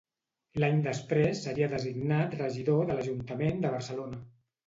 L'any després seria designat regidor de l'Ajuntament de Barcelona.